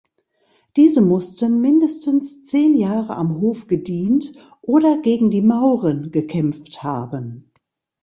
Diese mussten mindestens zehn Jahre am Hof gedient oder gegen die Mauren gekämpft haben.